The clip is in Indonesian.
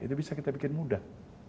itu bisa kita bikin mudah